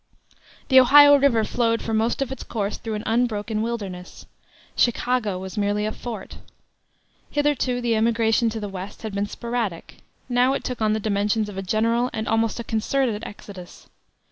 The Ohio River flowed for most of its course through an unbroken wilderness. Chicago was merely a fort. Hitherto the emigration to the West had been sporadic; now it took on the dimensions of a general and almost a concerted exodus.